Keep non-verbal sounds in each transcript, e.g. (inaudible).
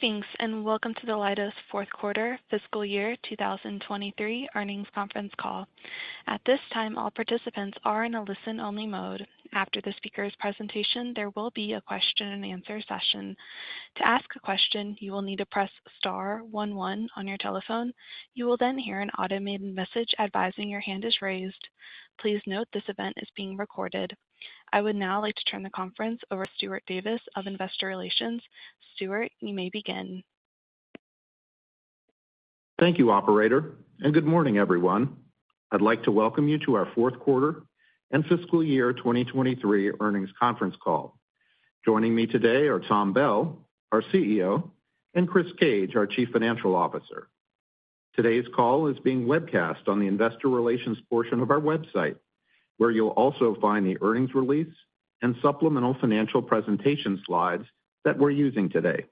Greetings, and welcome to the Leidos Fourth Quarter Fiscal Year 2023 Earnings Conference Call. At this time, all participants are in a listen-only mode. After the speaker's presentation, there will be a question-and-answer session. To ask a question, you will need to press star one, one on your telephone. You will then hear an automated message advising your hand is raised. Please note this event is being recorded. I would now like to turn the conference over to Stuart Davis of Investor Relations. Stuart, you may begin. Thank you, operator. Good morning, everyone. I'd like to welcome you to our Fourth Quarter and Fiscal Year 2023 Earnings Conference Call. Joining me today are Tom Bell, our CEO, and Chris Cage, our Chief Financial Officer. Today's call is being webcast on the Investor Relations portion of our website, where you'll also find the earnings release and supplemental financial presentation slides that we're using today.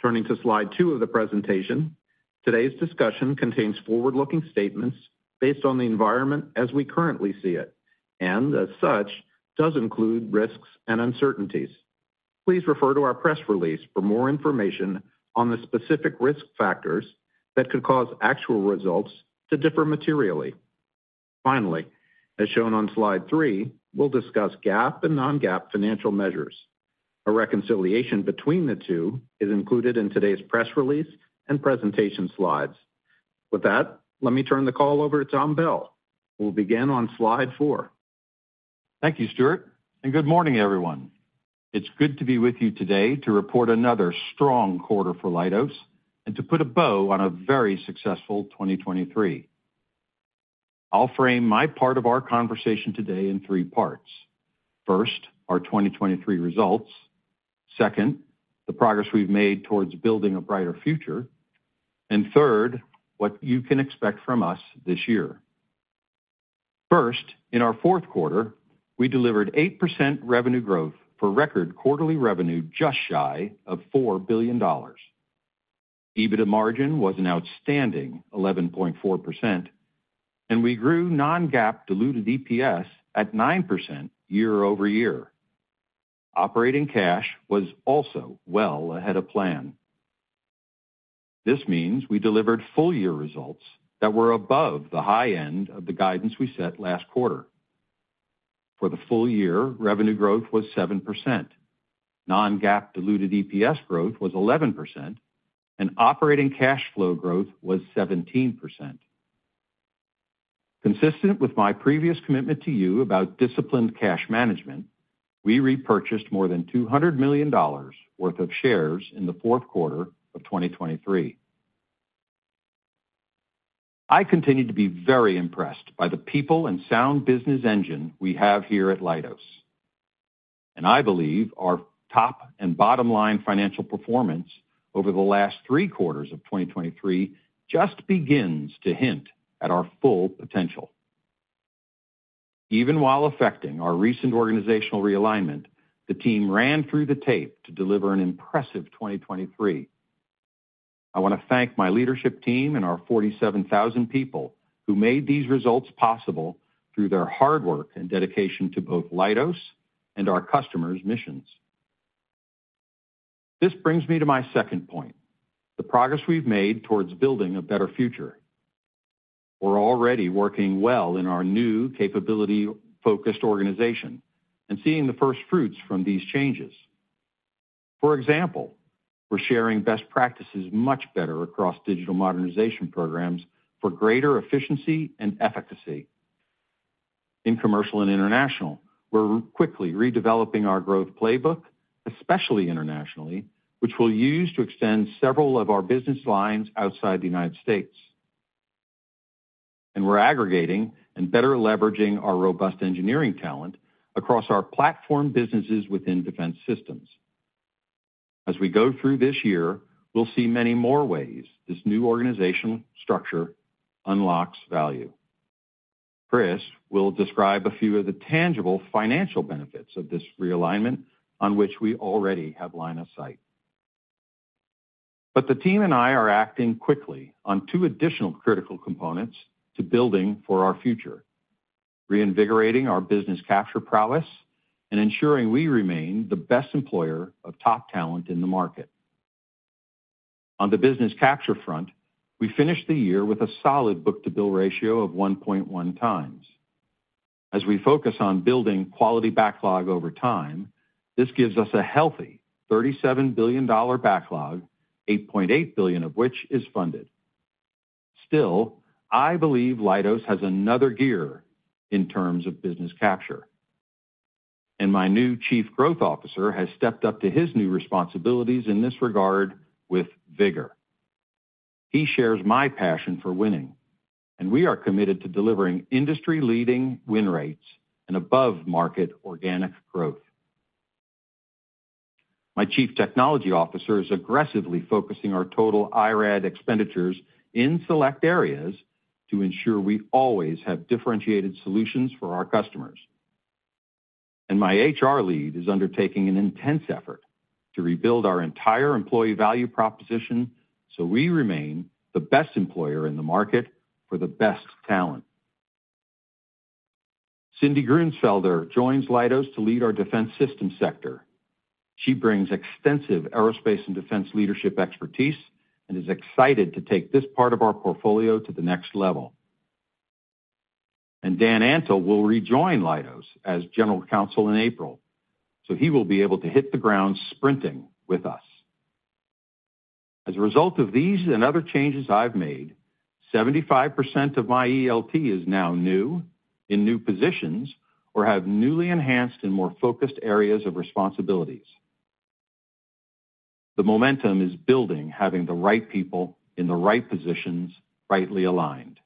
Turning to slide 2 of the presentation, today's discussion contains forward-looking statements based on the environment as we currently see it, and as such, does include risks and uncertainties. Please refer to our press release for more information on the specific risk factors that could cause actual results to differ materially. Finally, as shown on slide 3, we'll discuss GAAP and non-GAAP financial measures. A reconciliation between the two is included in today's press release and presentation slides. With that, let me turn the call over to Tom Bell. We'll begin on slide 4. Thank you, Stuart, and good morning, everyone. It's good to be with you today to report another strong quarter for Leidos, and to put a bow on a very successful 2023. I'll frame my part of our conversation today in three parts. First, our 2023 results. Second, the progress we've made towards building a brighter future. Third, what you can expect from us this year. First, in our fourth quarter, we delivered 8% revenue growth for record quarterly revenue, just shy of $4 billion. EBITDA margin was an outstanding 11.4%, and we grew non-GAAP diluted EPS at 9% year-over-year. Operating cash was also well ahead of plan. This means we delivered full-year results that were above the high end of the guidance we set last quarter. For the full year, revenue growth was 7%, non-GAAP diluted EPS growth was 11%, and operating cash flow growth was 17%. Consistent with my previous commitment to you about disciplined cash management, we repurchased more than $200 million worth of shares in the fourth quarter of 2023. I continue to be very impressed by the people and sound business engine we have here at Leidos. I believe our top and bottom line financial performance over the last three quarters of 2023 just begins to hint at our full potential. Even while affecting our recent organizational realignment, the team ran through the tape to deliver an impressive 2023. I want to thank my leadership team, and our 47,000 people who made these results possible through their hard work and dedication to both Leidos and our customers' missions. This brings me to my second point, the progress we've made towards building a better future. We're already working well in our new capability-focused organization, and seeing the first fruits from these changes. For example, we're sharing best practices much better across digital modernization programs for greater efficiency and efficacy. In commercial and international, we're quickly redeveloping our growth playbook, especially internationally, which we'll use to extend several of our business lines outside the United States. We're aggregating and better leveraging our robust engineering talent across our platform businesses within defense systems. As we go through this year, we'll see many more ways this new organizational structure unlocks value. Chris will describe a few of the tangible financial benefits of this realignment on which we already have line of sight. The team and I are acting quickly on two additional critical components to building for our future, reinvigorating our business capture prowess and ensuring we remain the best employer of top talent in the market. On the business capture front, we finished the year with a solid book-to-bill ratio of 1.1x. As we focus on building quality backlog over time, this gives us a healthy $37 billion backlog, $8.8 billion of which is funded. Still, I believe Leidos has another gear in terms of business capture. My new Chief Growth Officer has stepped up to his new responsibilities in this regard with vigor. He shares my passion for winning, and we are committed to delivering industry-leading win rates and above-market organic growth. My Chief Technology Officer is aggressively focusing our total IRAD expenditures in select areas, to ensure we always have differentiated solutions for our customers. My HR lead is undertaking an intense effort to rebuild our entire employee value proposition, so we remain the best employer in the market for the best talent. Cindy Gruensfelder joins Leidos to lead our defense systems sector. She brings extensive aerospace and defense leadership expertise, and is excited to take this part of our portfolio to the next level. Dan Antal will rejoin Leidos as General Counsel in April, so he will be able to hit the ground sprinting with us. As a result of these and other changes I've made, 75% of my ELT is now new in new positions or have newly enhanced in more focused areas of responsibilities. The momentum is building, having the right people in the right positions rightly aligned.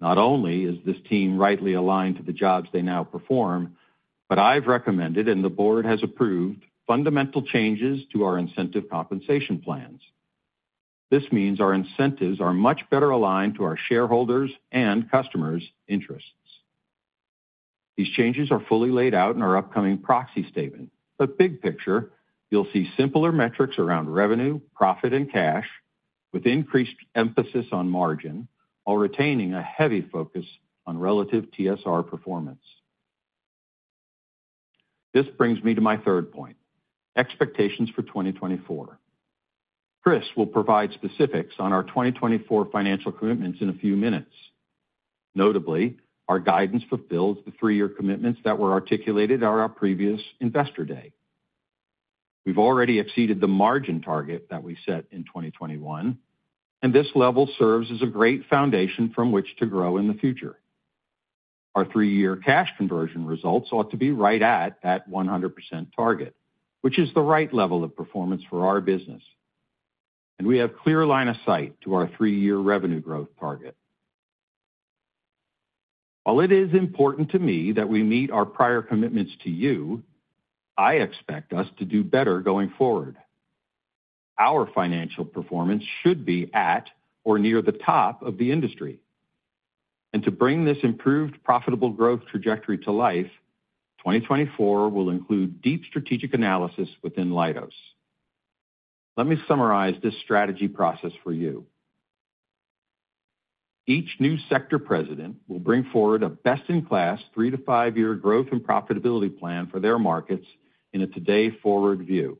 Not only is this team rightly aligned to the jobs they now perform, but I've recommended and the board has approved fundamental changes to our incentive compensation plans. This means our incentives are much better aligned to our shareholders' and customers' interests. These changes are fully laid out in our upcoming proxy statement. Big picture, you'll see simpler metrics around revenue, profit, and cash, with increased emphasis on margin while retaining a heavy focus on relative TSR Performance. This brings me to my third point, expectations for 2024. Chris will provide specifics on our 2024 financial commitments in a few minutes. Notably, our guidance fulfills the three-year commitments that were articulated at our previous Investor Day. We've already exceeded the margin target that we set in 2021, and this level serves as a great foundation from which to grow in the future. Our three-year cash conversion results ought to be right at that 100% target, which is the right level of performance for our business. We have a clear line of sight to our three-year revenue growth target. While it is important to me that we meet our prior commitments to you, I expect us to do better going forward. Our financial performance should be at or near the top of the industry. To bring this improved profitable growth trajectory to life, 2024 will include deep strategic analysis within Leidos. Let me summarize this strategy process for you. Each new sector president will bring forward a best-in-class three to five-year growth and profitability plan for their markets in a today-forward view.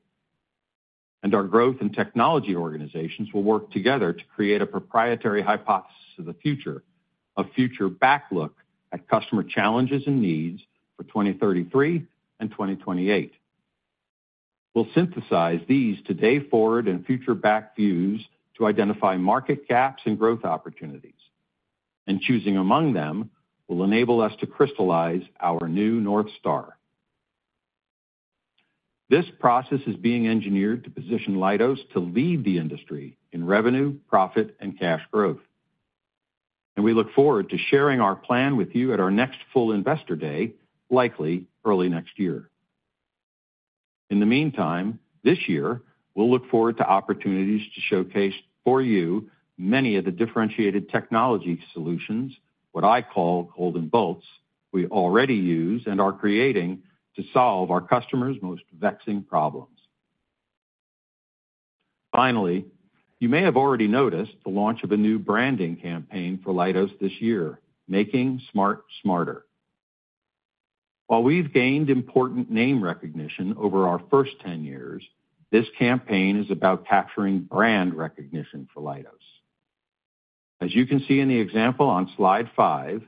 Our growth and technology organizations will work together to create a proprietary hypothesis of the future, a future back-look at customer challenges and needs for 2033 and 2028. We'll synthesize these today-forward and future-back views to identify market caps and growth opportunities. Choosing among them will enable us to crystallize our new North Star. This process is being engineered to position Leidos to lead the industry in revenue, profit, and cash growth. We look forward to sharing our plan with you at our next full Investor Day, likely early next year. In the meantime, this year, we'll look forward to opportunities to showcase for you many of the differentiated technology solutions, what I call golden bolts, we already use and are creating to solve our customers' most vexing problems. Finally, you may have already noticed the launch of a new branding campaign for Leidos this year, Making Smart Smarter. While we've gained important name recognition over our first 10 years, this campaign is about capturing brand recognition for Leidos. As you can see in the example on slide 5,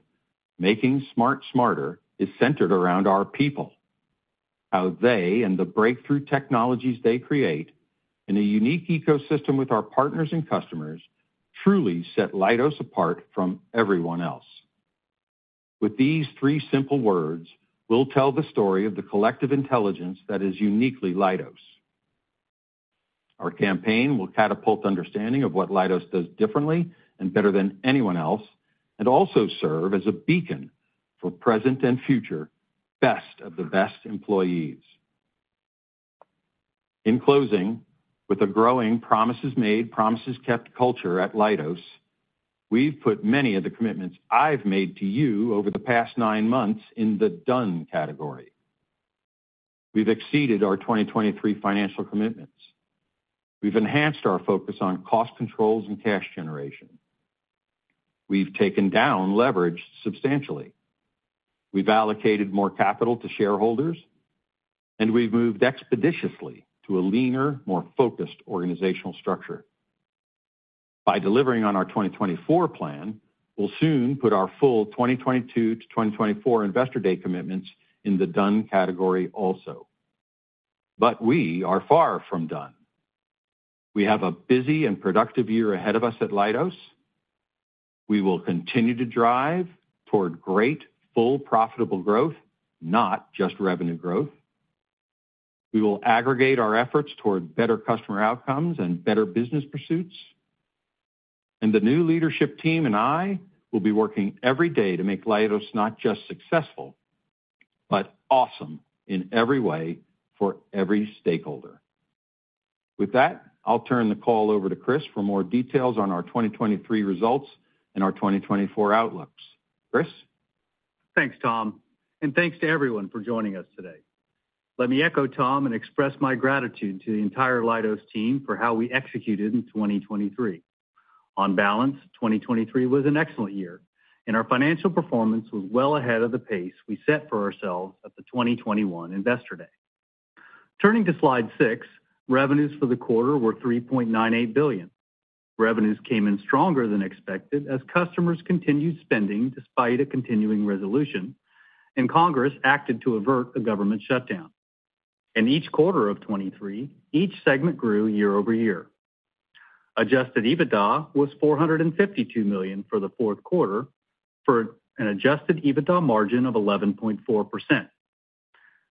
Making Smart Smarter is centered around our people, how they and the breakthrough technologies they create in a unique ecosystem with our partners and customers truly set Leidos apart from everyone else. With these three simple words, we'll tell the story of the collective intelligence that is uniquely Leidos. Our campaign will catapult understanding of what Leidos does differently and better than anyone else, and also serve as a beacon for present and future best of the best employees. In closing, with a growing promises-made, promises-kept culture at Leidos, we've put many of the commitments I've made to you over the past nine months in the done category. We've exceeded our 2023 financial commitments. We've enhanced our focus on cost controls and cash generation. We've taken down leverage substantially. We've allocated more capital to shareholders. We've moved expeditiously to a leaner, more focused organizational structure. By delivering on our 2024 plan, we'll soon put our full 2022-2024 Investor Day commitments in the done category also. We are far from done. We have a busy and productive year ahead of us at Leidos. We will continue to drive toward great full profitable growth, not just revenue growth. We will aggregate our efforts toward better customer outcomes and better business pursuits. The new leadership team and I will be working every day to make Leidos not just successful, but awesome in every way for every stakeholder. With that, I'll turn the call over to Chris for more details on our 2023 results and our 2024 outlooks. Chris? Thanks, Tom. Thanks to everyone for joining us today. Let me echo Tom, and express my gratitude to the entire Leidos team for how we executed in 2023. On balance, 2023 was an excellent year. Our financial performance was well ahead of the pace we set for ourselves at the 2021 Investor Day. Turning to slide 6, revenues for the quarter were $3.98 billion. Revenues came in stronger than expected, as customers continued spending despite a continuing resolution. Congress acted to avert a government shutdown. In each quarter of 2023, each segment grew year-over-year. Adjusted EBITDA was $452 million for the fourth quarter, for an adjusted EBITDA margin of 11.4%.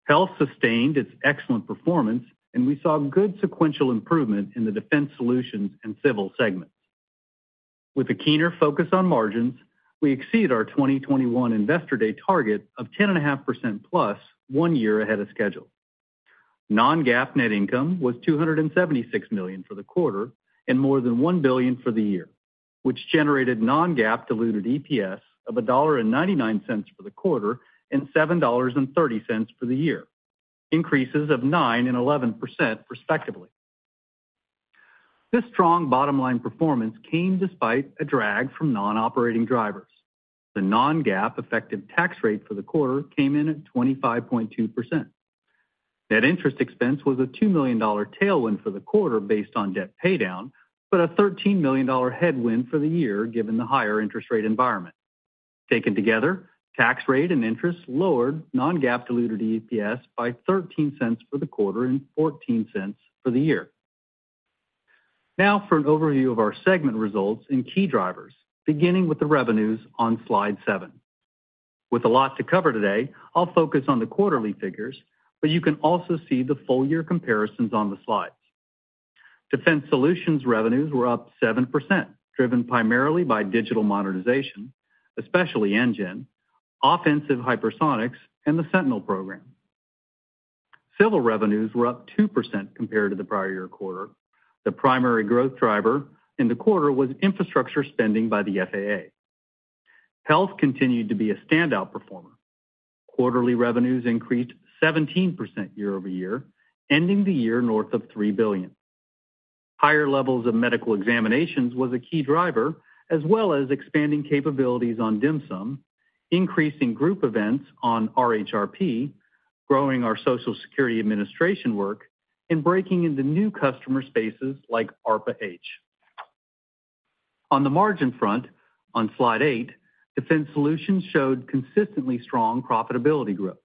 Health sustained its excellent performance, and we saw good sequential improvement in the defense solutions and civil segments. With a keener focus on margins, we exceeded our 2021 Investor Day target of 10.5%+, one year ahead of schedule. Non-GAAP net income was $276 million for the quarter and more than $1 billion for the year, which generated non-GAAP diluted EPS of $1.99 for the quarter and $7.30 for the year, increases of 9% and 11% respectively. This strong bottom-line performance came despite a drag from non-operating drivers. The non-GAAP effective tax rate for the quarter came in at 25.2%. Net interest expense was a $2 million tailwind for the quarter based on debt paydown, but a $13 million headwind for the year, given the higher interest rate environment. Taken together, tax rate and interest lowered non-GAAP diluted EPS by $0.13 for the quarter and $0.14 for the year. Now for an overview of our segment results and key drivers, beginning with the revenues on slide 7. With a lot to cover today, I'll focus on the quarterly figures, but you can also see the full-year comparisons on the slides. Defense solutions revenues were up 7%, driven primarily by digital modernization, especially engine, offensive hypersonics, and the Sentinel program. Civil revenues were up 2% compared to the prior year quarter. The primary growth driver in the quarter was infrastructure spending by the FAA. Health continued to be a standout performer. Quarterly revenues increased 17% year over year, ending the year north of $3 billion. Higher levels of medical examinations was a key driver, as well as expanding capabilities on DHMSM, increasing group events on RHRP, growing our Social Security Administration work, and breaking into new customer spaces like ARPA-H. On the margin front, on slide 8, defense solutions showed consistently strong profitability growth.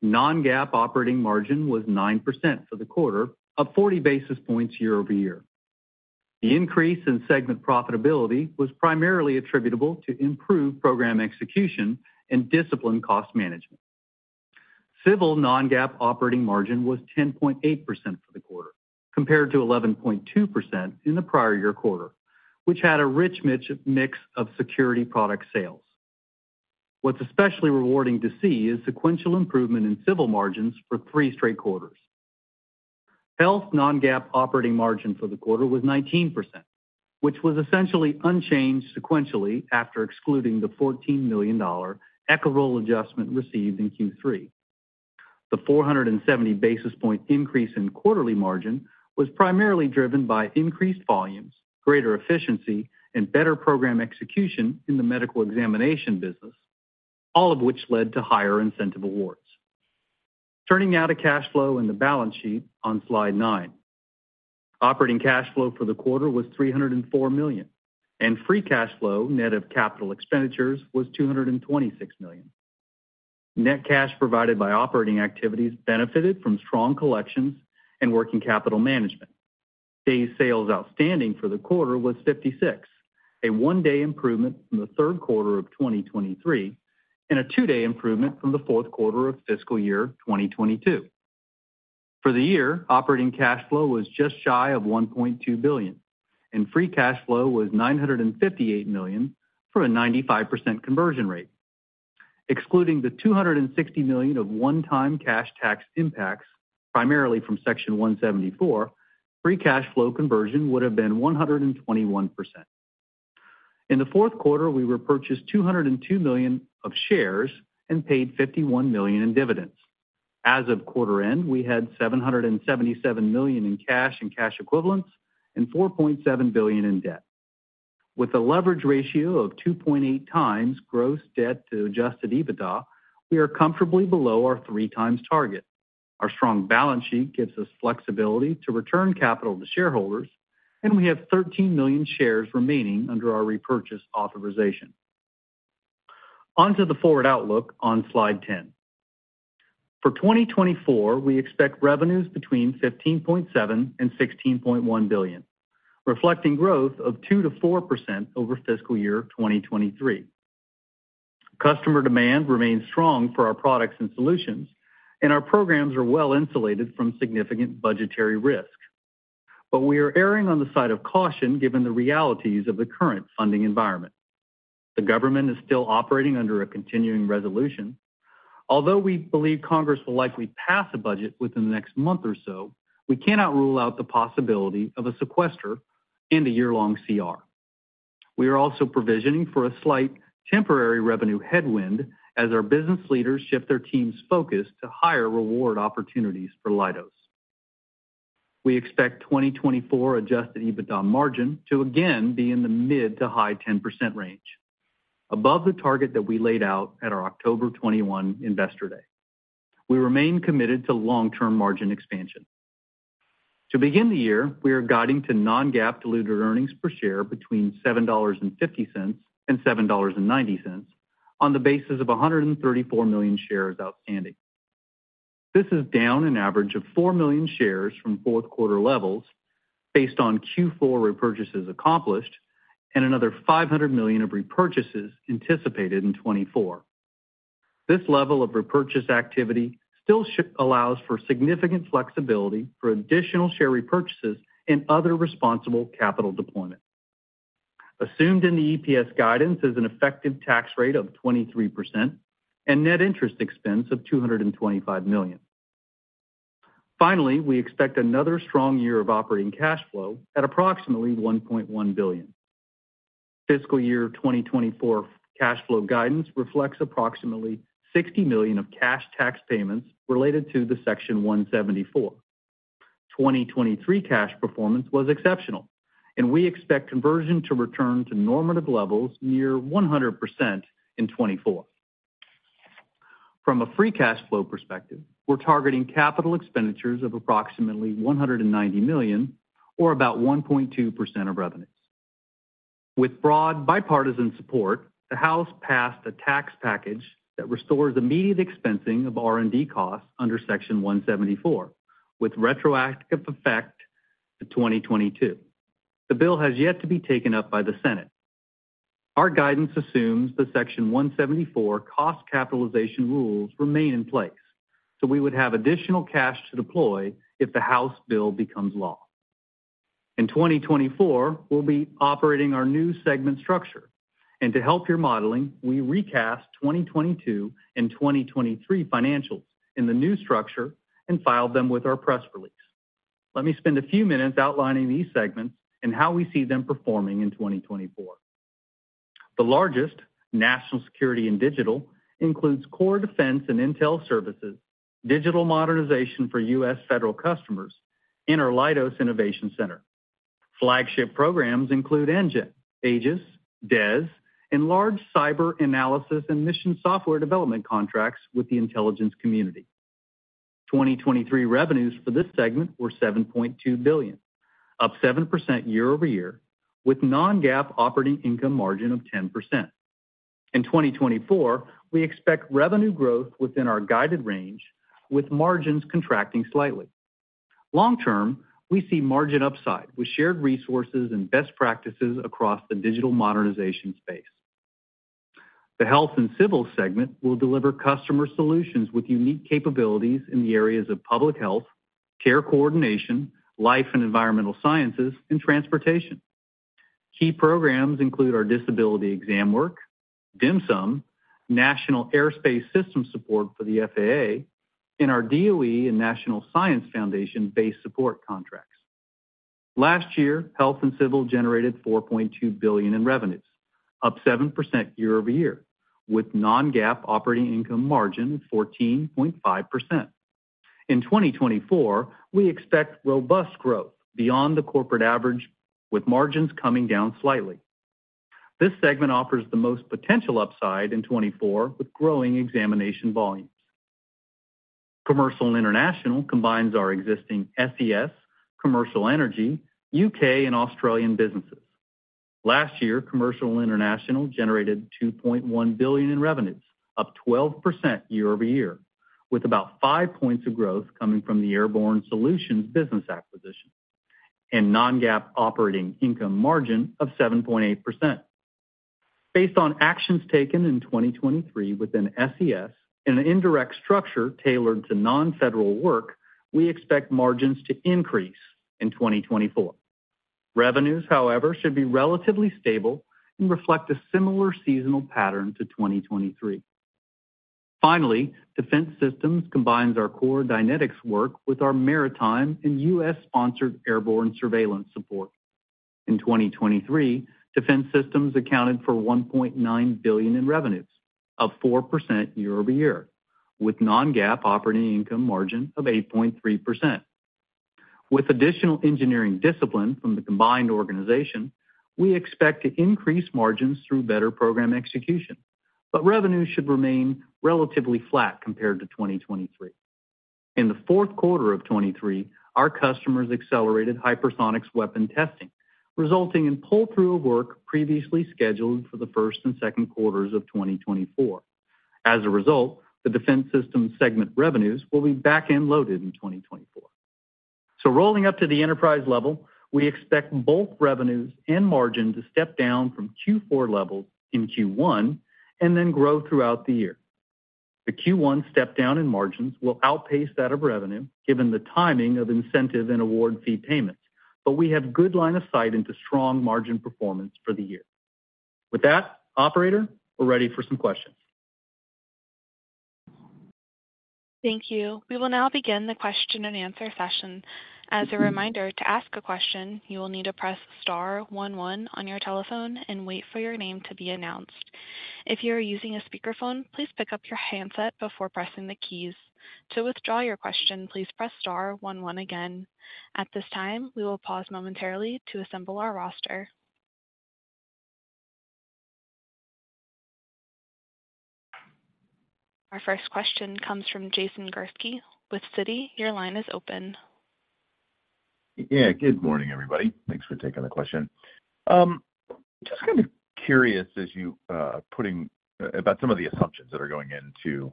Non-GAAP operating margin was 9% for the quarter, up 40 basis points year-over-year. The increase in segment profitability was primarily attributable to improved program execution and disciplined cost management. Civil non-GAAP operating margin was 10.8% for the quarter, compared to 11.2% in the prior year quarter, which had a rich mix of security product sales. What's especially rewarding to see is sequential improvement in civil margins for three straight quarters. Health non-GAAP operating margin for the quarter was 19%, which was essentially unchanged sequentially after excluding the $14 million ECHA rule adjustment received in Q3. The 470 basis point increase in quarterly margin was primarily driven by increased volumes, greater efficiency, and better program execution in the medical examination business, all of which led to higher incentive awards. Turning now to cash flow and the balance sheet on Slide 9. Operating cash flow for the quarter was $304 million. Free cash flow net of capital expenditures was $226 million. Net cash provided by operating activities benefited from strong collections and working capital management. Day sales outstanding for the quarter was 56, a one-day improvement from the third quarter of 2023 and a two-day improvement from the fourth quarter of fiscal year 2022. For the year, operating cash flow was just shy of $1.2 billion. Free cash flow was $958 million for a 95% conversion rate. Excluding the $260 million of one-time cash tax impacts, primarily from Section 174, free cash flow conversion would have been 121%. In the fourth quarter, we repurchased $202 million of shares and paid $51 million in dividends. As of quarter end, we had $777 million in cash, and cash equivalents and $4.7 billion in debt. With a leverage ratio of 2.8x gross debt to adjusted EBITDA, we are comfortably below our 3x target. Our strong balance sheet gives us flexibility to return capital to shareholders, and we have 13 million shares remaining under our repurchase authorization. Onto the forward outlook on slide 10. For 2024, we expect revenues between $15.7 billion-$16.1 billion, reflecting growth of 2%-4% over fiscal year 2023. Customer demand remains strong for our products and solutions, and our programs are well insulated from significant budgetary risk. We are erring on the side of caution, given the realities of the current funding environment. The government is still operating under a continuing resolution. Although we believe Congress will likely pass a budget within the next month or so, we cannot rule out the possibility of a sequester and a year-long CR. We are also provisioning for a slight temporary revenue headwind as our business leaders shift their team's focus to higher reward opportunities for Leidos. We expect 2024 adjusted EBITDA margin to again be in the mid- to high 10% range, above the target that we laid out at our October 2021 Investor Day. We remain committed to long-term margin expansion. To begin the year, we are guiding to non-GAAP diluted earnings per share between $7.50 and $7.90, on the basis of 134 million shares outstanding. This is down an average of 4 million shares from fourth quarter levels based on Q4 repurchases accomplished, and another $500 million of repurchases anticipated in 2024. This level of repurchase activity still allows for significant flexibility for additional share repurchases and other responsible capital deployment, assumed in the EPS guidance as an effective tax rate of 23% and net interest expense of $225 million. Finally, we expect another strong year of operating cash flow at approximately $1.1 billion. Fiscal year 2024 cash flow guidance reflects approximately $60 million of cash tax payments related to the Section 174. 2023 cash performance was exceptional, and we expect conversion to return to normative levels, near 100% in 2024. From a free cash flow perspective, we're targeting capital expenditures of approximately $190 million or about 1.2% of revenues. With broad bipartisan support, the House passed a tax package that restores immediate expensing of R&D costs under Section 174, with retroactive effect to 2022. The bill has yet to be taken up by the Senate. Our guidance assumes the Section 174 cost capitalization rules remain in place, so we would have additional cash to deploy if the House bill becomes law. In 2024, we'll be operating our new segment structure. To help your modeling, we recast 2022 and 2023 financials in the new structure and filed them with our press release. Let me spend a few minutes outlining these segments, and how we see them performing in 2024. The largest, national security and digital, includes core defense and intel services, digital modernization for U.S. federal customers, and our Leidos Innovation Center. Flagship programs include engine, AEGIS, DES, and large cyber analysis and mission software development contracts with the intelligence community. 2023 revenues for this segment were $7.2 billion, up 7% year-over-year, with non-GAAP operating income margin of 10%. In 2024, we expect revenue growth within our guided range, with margins contracting slightly. Long-term, we see margin upside with shared resources, and best practices across the digital modernization space. The health and civil segment will deliver customer solutions with unique capabilities in the areas of public health, care coordination, life and environmental sciences, and transportation. Key programs include our disability exam work, DIMSM, National Airspace System Support for the FAA, and our DOE and National Science Foundation-based support contracts. Last year, health and civil generated $4.2 billion in revenue, up 7% year-over-year with non-GAAP operating income margin of 14.5%. In 2024, we expect robust growth beyond the corporate average, with margins coming down slightly. This segment offers the most potential upside in 2024 with growing examination volumes. Commercial international combines our existing SES, commercial energy, U.K., and Australian businesses. Last year, commercial international generated $2.1 billion in revenues, up 12% year-over-year, with about five points of growth coming from the airborne solutions business acquisition and non-GAAP operating income margin of 7.8%. Based on actions taken in 2023 within SES and an indirect structure tailored to non-federal work, we expect margins to increase in 2024. Revenues however, should be relatively stable and reflect a similar seasonal pattern to 2023. Finally, defense systems combines our core Dynetics work with our maritime and U.S.-sponsored airborne surveillance support. In 2023, defense systems accounted for $1.9 billion in revenues, up 4% year-over-year, with non-GAAP operating income margin of 8.3%. With additional engineering discipline from the combined organization, we expect to increase margins through better program execution, but revenues should remain relatively flat compared to 2023. In the fourth quarter of 2023, our customers accelerated hypersonic weapons testing, resulting in pull-through of work previously scheduled for the first and second quarters of 2024. As a result, the defense systems segment revenues will be back-end loaded in 2024. Rolling up to the enterprise level, we expect both revenues and margin to step down from Q4 levels in Q1 and then grow throughout the year. The Q1 step-down in margins will outpace that of revenue given the timing of incentive and award fee payments, but we have good line of sight into strong margin performance for the year. With that, operator, we're ready for some questions. Thank you. We will now begin the question-and-answer session. As a reminder, to ask a question, you will need to press star one, one on your telephone and wait for your name to be announced. If you are using a speakerphone, please pick up your handset before pressing the keys. To withdraw your question, please press star one, one again. At this time, we will pause momentarily to assemble our roster. Our first question comes from Jason Gursky with Citi, your line is open. Yeah. Good morning, everybody. Thanks for taking the question. Just kind of curious about some of the assumptions that are going into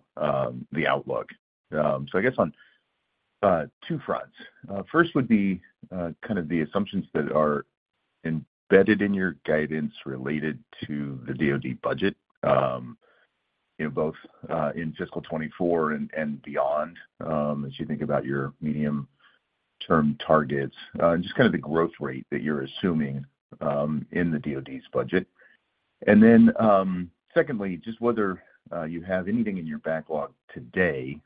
the outlook, so I guess on two fronts. First would be kind of the assumptions that are embedded in your guidance related to the DOD budget, both in fiscal 2024 and beyond, as you think about your medium-term targets, and just kind of the growth rate that you're assuming in the DOD's budget. Then secondly, just whether you have anything in your backlog today,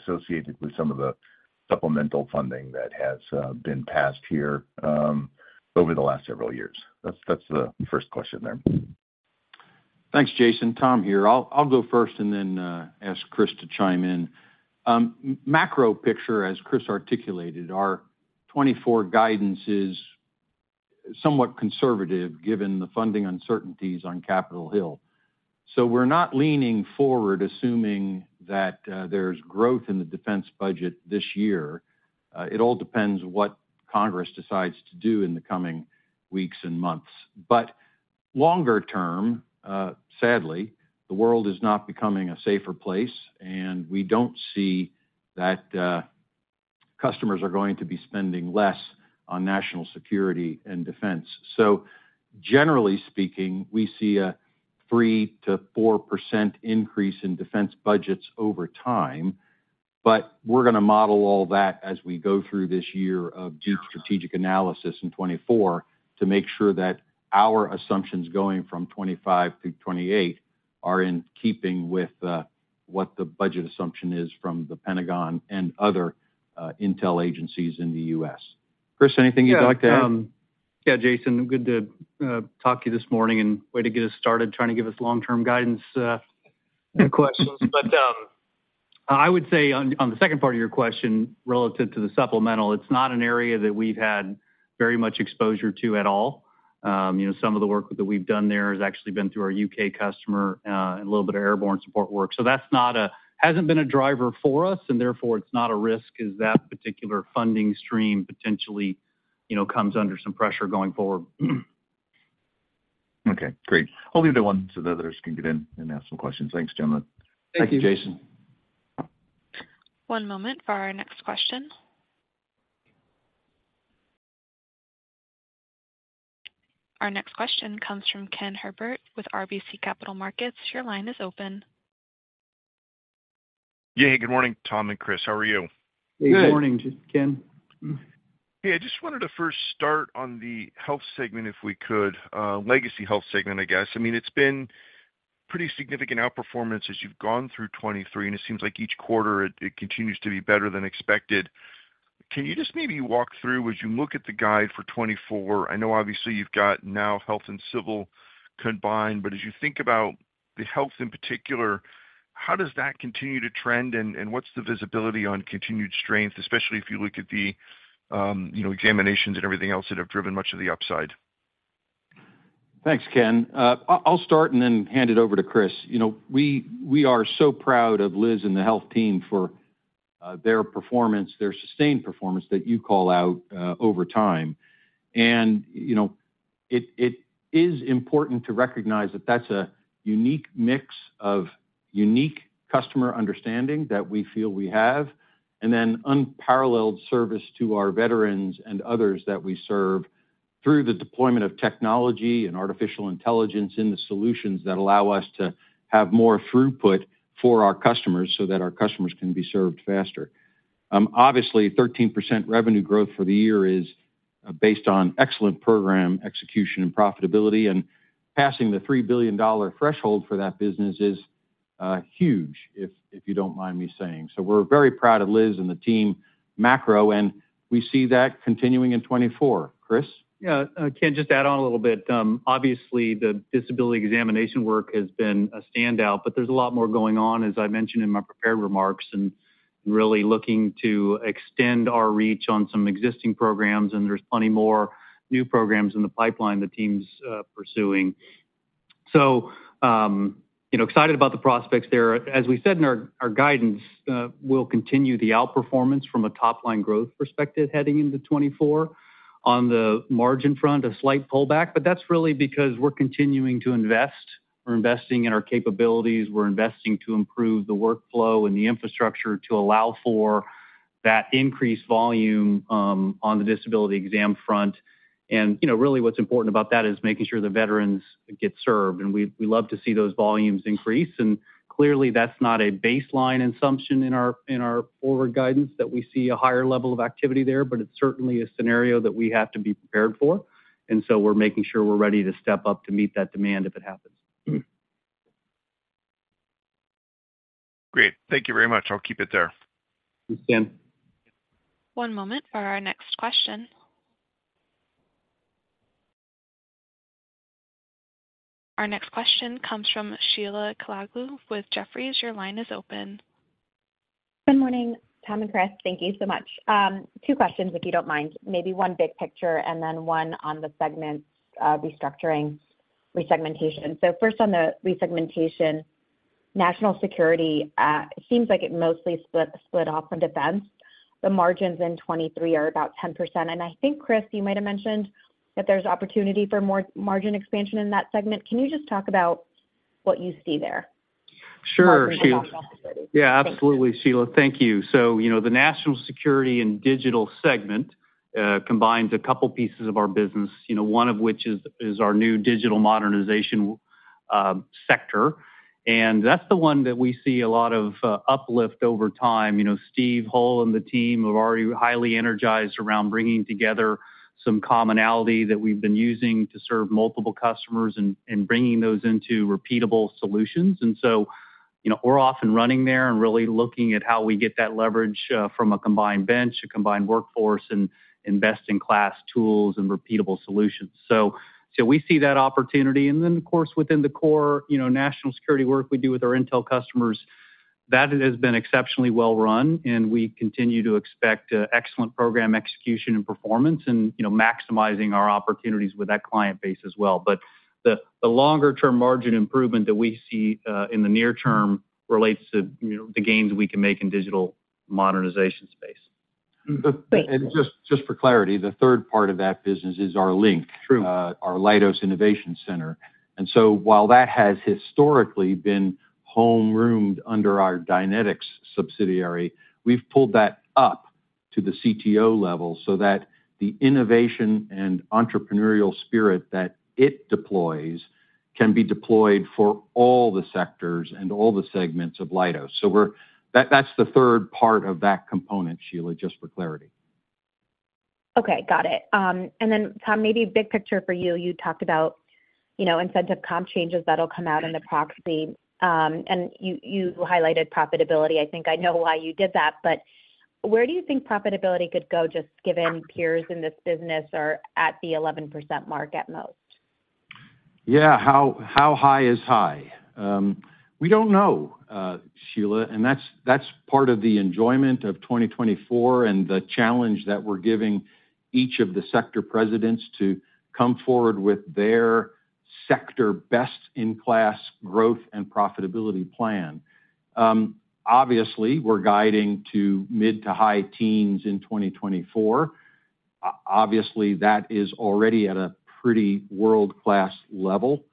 associated with some of the supplemental funding that has been passed here over the last several years. That's the first question there. Thanks, Jason. Tom here. I'll go first and then ask Chris to chime in. Macro picture, as Chris articulated, our 2024 guidance is somewhat conservative given the funding uncertainties on Capitol Hill. We're not leaning forward, assuming that there's growth in the defense budget this year. It all depends what Congress decides to do in the coming weeks and months. Longer term, sadly, the world is not becoming a safer place, and we don't see that customers are going to be spending less on national security and defense. Generally speaking, we see a 3%-4% increase in defense budgets over time. We're going to model all that as we go through this year of deep strategic analysis in 2024, to make sure that our assumptions going from 2025-2028 are in keeping with what the budget assumption is from the Pentagon and other intel agencies in the U.S. Chris, anything you'd like to add? Yeah. Yeah, Jason. Good to talk to you this morning, and wait to get us started trying to give us long-term guidance questions. I would say on the second part of your question relative to the supplemental, it's not an area that we've had very much exposure to at all. Some of the work that we've done there has actually been through our U.K. customer and a little bit of airborne support work, so that hasn't been a driver for us and therefore it's not a risk as that particular funding stream potentially comes under some pressure going forward. Okay, great. I'll leave it to one so the others can get in and ask some questions. Thanks, gentlemen. Thank you. Thank you, Jason. One moment for our next question. Our next question comes from Ken Herbert with RBC Capital Markets. Your line is open. Yeah. Hey, good morning, Tom and Chris. How are you? Good. Hey, good morning, Ken. Hey, I just wanted to first start on the health segment if we could, legacy health segment, I guess. I mean, it's been pretty significant outperformance as you've gone through 2023, and it seems like each quarter it continues to be better than expected. Can you just maybe walk through, as you look at the guide for 2024? I know obviously you've got now health and civil combined, but as you think about the health in particular, how does that continue to trend and what's the visibility on continued strength, especially if you look at the examinations and everything else that have driven much of the upside? Thanks, Ken. I'll start and then hand it over to Chris. We are so proud of Liz and the health team for their performance, their sustained performance that you call out over time. It is important to recognize that that's a unique mix of unique customer understanding that we feel we have, and then unparalleled service to our veterans and others that we serve through the deployment of technology and artificial intelligence, in the solutions that allow us to have more throughput for our customers, so that our customers can be served faster. Obviously, 13% revenue growth for the year is based on excellent program execution and profitability, and passing the $3 billion threshold for that business is huge, if you don't mind me saying. We're very proud of Liz and the team macro, and we see that continuing in 2024. Chris? Yeah. Ken, just to add on a little bit. Obviously, the disability examination work has been a standout, but there's a lot more going on as I mentioned in my prepared remarks and really looking to extend our reach on some existing programs. There's plenty more new programs in the pipeline the team's pursuing, so excited about the prospects there. As we said in our guidance, we'll continue the outperformance from a top-line growth perspective heading into 2024. On the margin front, a slight pullback, but that's really because we're continuing to invest. We're investing in our capabilities. We're investing to improve the workflow and the infrastructure to allow for that increased volume on the disability exam front. Really, what's important about that is making sure the veterans get served, and we love to see those volumes increase. Clearly, that's not a baseline assumption in our forward guidance, that we see a higher level of activity there, but it's certainly a scenario that we have to be prepared for. We're making sure we're ready to step up to meet that demand if it happens. Great. Thank you very much. I'll keep it there. Thanks, Ken. One moment for our next question. Our next question comes from Sheila Kahyaoglu with Jefferies. Your line is open. Good morning, Tom and Chris. Thank you so much. Two questions, if you don't mind. Maybe one big picture and then one on the segment restructuring, re-segmentation. First on the re-segmentation, national security seems like it mostly split off from defense. The margins in 2023 are about 10%. I think, Chris, you might have mentioned that there's opportunity for more margin expansion in that segment. Can you just talk about what you see there? (audio distortion) Sure, Sheila. Yeah. Absolutely, Sheila. Thank you. The national security and digital segment combines a couple pieces of our business, one of which is our new digital modernization sector. That's the one that we see a lot of uplift over time. Steve Hull and the team have already highly energized around bringing together some commonality that we've been using to serve multiple customers, and bringing those into repeatable solutions. We're often running there and really looking at how we get that leverage from a combined bench, a combined workforce, and best-in-class tools and repeatable solutions. We see that opportunity. Then of course within the core national security work we do with our intel customers, that has been exceptionally well run and we continue to expect excellent program execution, and performance and maximizing our opportunities with that client base as well. The longer-term margin improvement that we see in the near term relates to the gains we can make in digital modernization space. Thanks. Just for clarity, the third part of that business is our LInC, our Leidos Innovation Center. While that has historically been home-roomed under our Dynetics subsidiary, we've pulled that up to the CTO level so that the innovation and entrepreneurial spirit that it deploys can be deployed for all the sectors, and all the segments of Leidos. That's the third part of that component, Sheila, just for clarity. Okay, got it. Then, Tom, maybe big picture for you. You talked about incentive comp changes that'll come out in the proxy, and you highlighted profitability. I think I know why you did that, but where do you think profitability could go, just given peers in this business are at the 11% mark at most? Yeah. How high is high? We don't know, Sheila. That's part of the enjoyment of 2024, and the challenge that we're giving each of the sector presidents to come forward with their sector, best-in-class growth and profitability plan. Obviously, we're guiding to mid to high teens in 2024. Obviously, that is already at a pretty world-class level.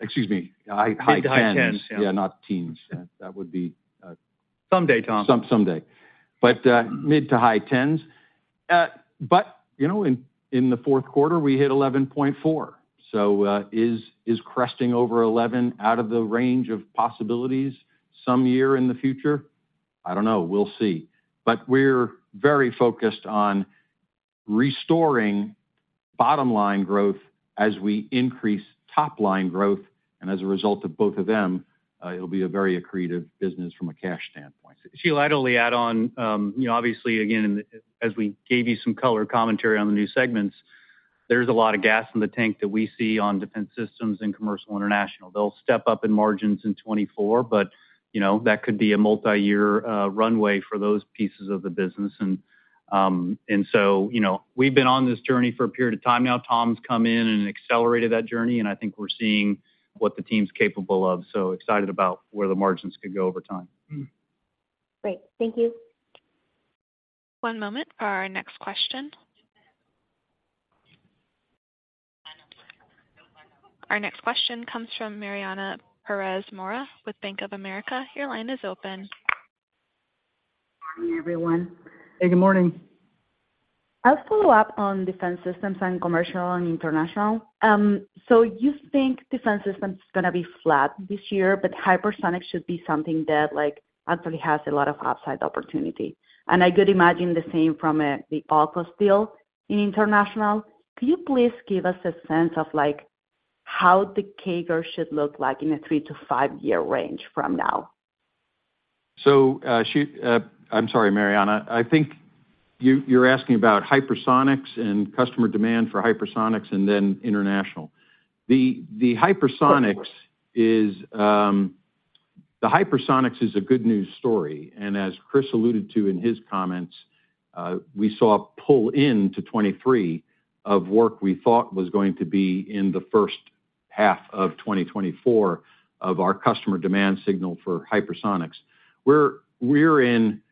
Excuse me, high tens. High tens, yeah. Yeah, not teens. That would be someday. Someday, Tom. Mid to high tens. In the fourth quarter, we hit 11.4. Is cresting over 11 out of the range of possibilities some year in the future? I don't know. We'll see. We're very focused on restoring bottom-line growth as we increase top-line growth. As a result of both of them, it'll be a very accretive business from a cash standpoint. Sheila, I'd only add on. Obviously, again, as we gave you some color commentary on the new segments, there's a lot of gas in the tank that we see on defense systems and commercial international. They'll step up in margins in 2024, but that could be a multi-year runway for those pieces of the business. We've been on this journey for a period of time now. Tom's come in and accelerated that journey, and I think we're seeing what the team's capable of. Excited about where the margins could go over time. Great. Thank you. One moment for our next question. Our next question comes from Mariana Perez Mora with Bank of America. Your line is open. Morning, everyone. Hey, good morning. I'll follow up on defense systems and commercial and international. You think defense systems is going to be flat this year, but hypersonic should be something that actually has a lot of upside opportunity. I could imagine the same from the AUKUS deal in international. Can you please give us a sense of how the CAGR should look like in a three to five-year range from now? I'm sorry, Mariana. I think you're asking about hypersonics, and customer demand for hypersonics and then international. The hypersonics is a good news story. As Chris alluded to in his comments, we saw a pull into 2023 of work we thought was going to be in the first half of 2024 of our customer demand signal for hypersonics. We're in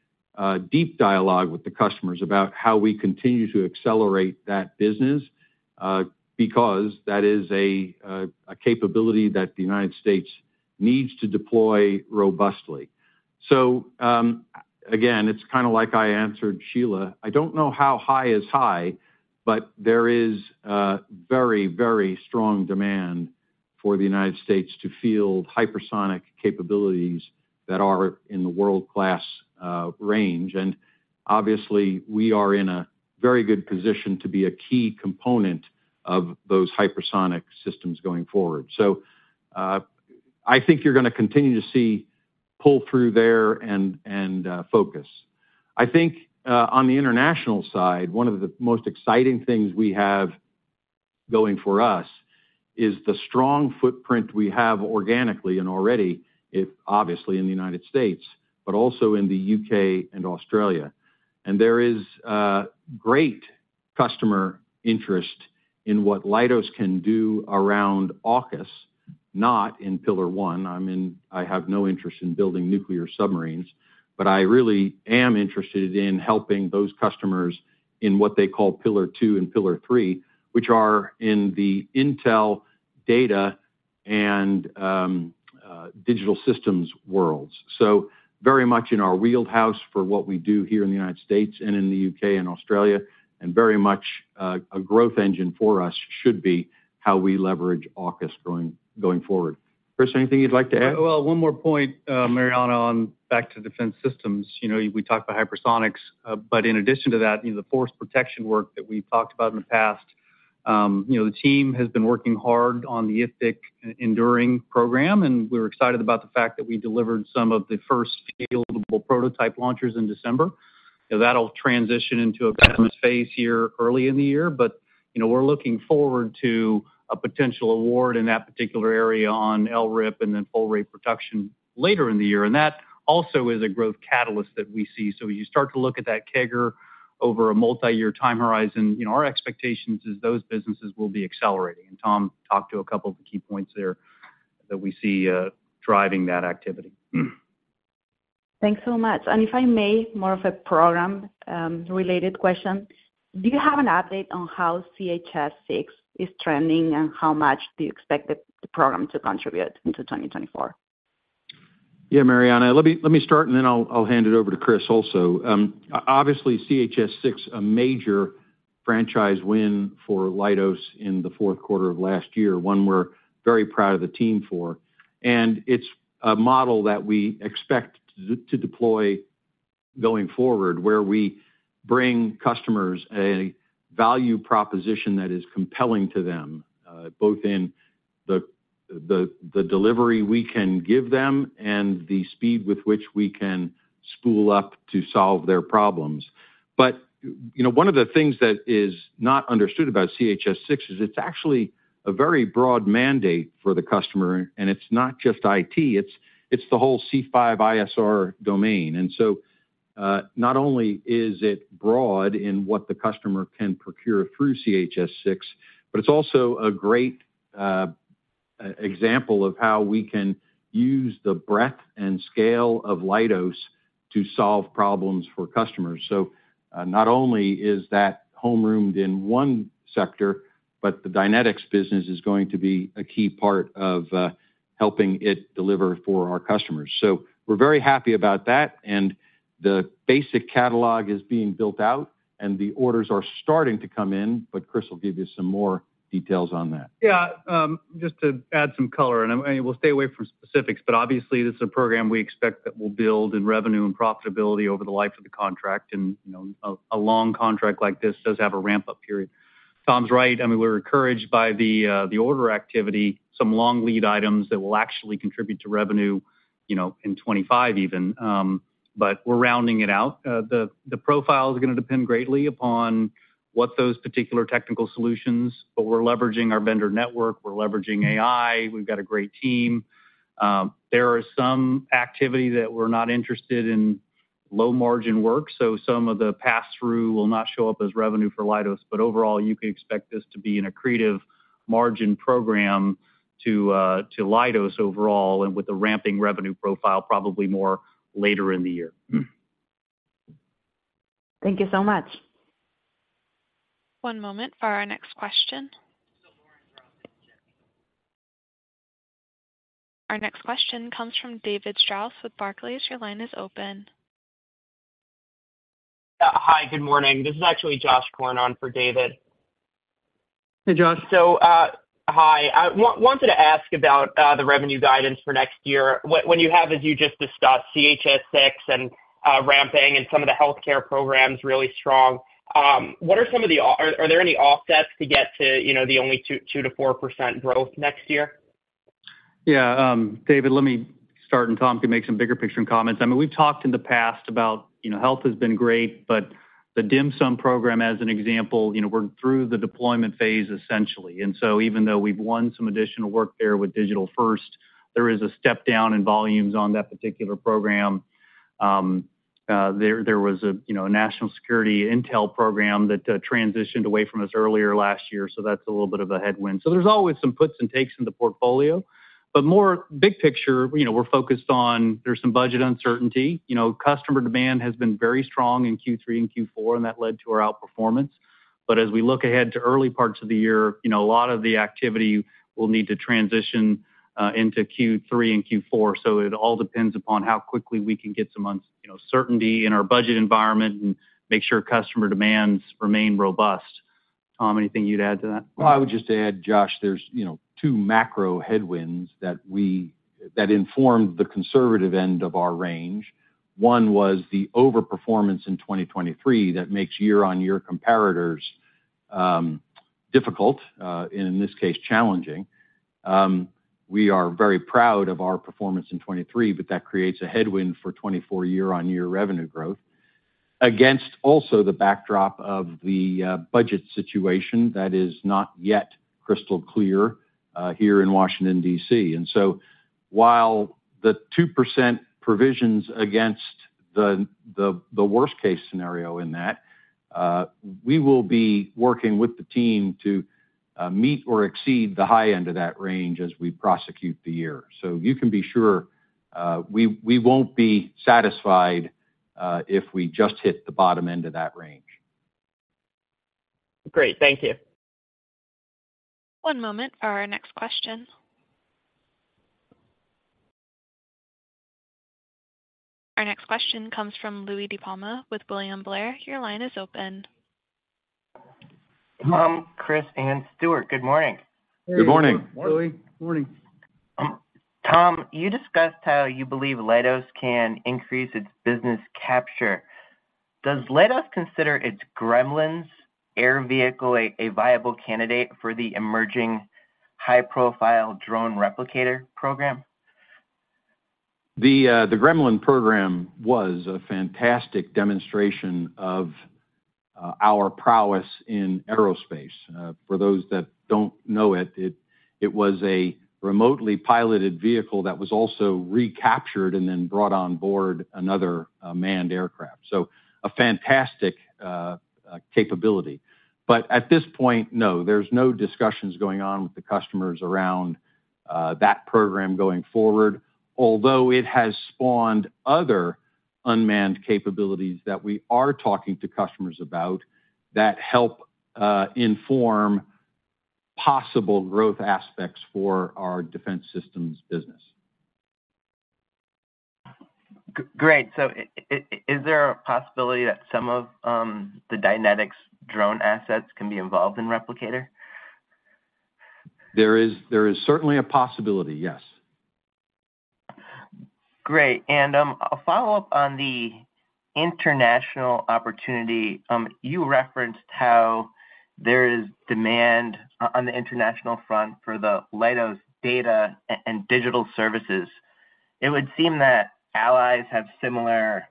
deep dialogue with the customers about how we continue to accelerate that business, because that is a capability that the United States needs to deploy robustly. Again, it's kind of like I answered, Sheila. I don't know how high is high, but there is very, very strong demand for the United States to field hypersonic capabilities that are in the world-class range. Obviously, we are in a very good position to be a key component of those hypersonic systems going forward. I think you're going to continue to see pull through there and focus. I think on the international side, one of the most exciting things we have going for us is the strong footprint we have organically and already obviously in the United States, but also in the U.K. and Australia. There is great customer interest in what Leidos can do around AUKUS, not in pillar one. I mean, I have no interest in building nuclear submarines, but I really am interested in helping those customers in what they call pillar two and pillar three, which are in the intel data and digital systems worlds. Very much in our wheelhouse for what we do here in the United States and in the U.K. and Australia, and very much a growth engine for us should be how we leverage AUKUS going forward. Chris, anything you'd like to add? Well, one more point, Mariana, back to defense systems. We talked about hypersonics, but in addition to that, the force protection work that we've talked about in the past, the team has been working hard on the IFPC Enduring program. We're excited about the fact that we delivered some of the first fieldable prototype launchers in December. That'll transition into a [beta phase] here early in the year, but we're looking forward to a potential award in that particular area on LRIP and then full-rate production later in the year. That also is a growth catalyst that we see. As you start to look at that CAGR over a multi-year time horizon, our expectations is those businesses will be accelerating. Tom talked to a couple of the key points there that we see driving that activity. Thanks so much. If I may, more of a program-related question. Do you have an update on how CHS-6 is trending, and how much do you expect the program to contribute into 2024? Yeah, Mariana. Let me start, and then I'll hand it over to Chris also. Obviously, CHS-6, major franchise win for Leidos in the fourth quarter of last year, one we're very proud of the team for. It's a model that we expect to deploy going forward, where we bring customers a value proposition that is compelling to them, both in the delivery we can give them and the speed with which we can spool up to solve their problems. One of the things that is not understood about CHS-6 is, it's actually a very broad mandate for the customer and it's not just IT. It's the whole C5ISR domain, and so not only is it broad in what the customer can procure through CHS-6, but it's also a great example of how we can use the breadth and scale of Leidos to solve problems for customers. Not only is that home-roomed in one sector, but the Dynetics business is going to be a key part of helping it deliver for our customers. We're very happy about that. The basic catalog is being built out and the orders are starting to come in, but Chris will give you some more details on that. Yeah, just to add some color. We'll stay away from specifics, but obviously, this is a program we expect that will build in revenue and profitability over the life of the contract. A long contract like this does have a ramp-up period. Tom's right. I mean, we're encouraged by the order activity, some long lead items that will actually contribute to revenue in 2025 even, but we're rounding it out. The profile is going to depend greatly upon what those particular technical solutions are, but we're leveraging our vendor network. We're leveraging AI. We've got a great team. There is some activity that we're not interested in, low-margin work. Some of the pass-through will not show up as revenue for Leidos. Overall, you can expect this to be an accretive margin program to Leidos overall and with a ramping revenue profile, probably more later in the year. Thank you so much. One moment for our next question. Our next question comes from David Strauss with Barclays. Your line is open. Hi, good morning. This is actually Josh Korn for David. Hey, Josh. Hi. I wanted to ask about the revenue guidance for next year. What you have is, you just discussed CHS-6 and ramping, and some of the healthcare program's really strong. Are there any offsets to get to the only 2%-4% growth next year? Yeah, David, let me start, and Tom can make some bigger picture comments. I mean, we've talked in the past about, health has been great, but the DIMSM program, as an example, we're through the deployment phase essentially. Even though we've won some additional work there with Digital First, there is a step down in volumes on that particular program. There was a national security intel program that transitioned away from us earlier last year, so that's a little bit of a headwind. There's always some puts and takes in the portfolio, but more big picture, we're focused on, there's some budget uncertainty. Customer demand has been very strong in Q3 and Q4, and that led to our outperformance. As we look ahead to early parts of the year, a lot of the activity will need to transition into Q3 and Q4. It all depends upon how quickly we can get some uncertainty in our budget environment, and make sure customer demands remain robust. Tom, anything you'd add to that? Well, I would just add, Josh, there are two macro headwinds that informed the conservative end of our range. One was the overperformance in 2023 that makes year-on-year comparators difficult, and in this case, challenging. We are very proud of our performance in 2023, but that creates a headwind for 2024 year-on-year revenue growth, against also the backdrop of the budget situation that is not yet crystal clear here in Washington, D.C. While the 2% provision's against the worst-case scenario in that, we will be working with the team to meet or exceed the high end of that range as we prosecute the year. You can be sure we won't be satisfied if we just hit the bottom end of that range. Great. Thank you. One moment for our next question. Our next question comes from Louie DiPalma with William Blair. Your line is open. Chris and Stuart, good morning. Good morning. Good morning, Louie. Good morning. Tom, you discussed how you believe Leidos can increase its business capture. Does Leidos consider its Gremlins air vehicle a viable candidate for the emerging high-profile drone replicator program? The Gremlin program was a fantastic demonstration of our prowess in aerospace. For those that don't know it, it was a remotely piloted vehicle that was also recaptured and then brought on board another manned aircraft, so a fantastic capability. At this point, no, there's no discussions going on with the customers around that program going forward, although it has spawned other unmanned capabilities that we are talking to customers about, that help inform possible growth aspects for our defense systems business. Great. Is there a possibility that some of the Dynetics drone assets can be involved in replicator? There is certainly a possibility, yes. Great. A follow-up on the international opportunity. You referenced how there is demand on the international front for the Leidos data and digital services. It would seem that allies have similar